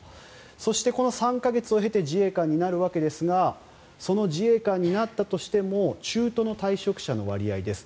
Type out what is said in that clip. そして、この３か月を経て自衛官になるわけですがその自衛官になったとしても中途の退職者の割合です。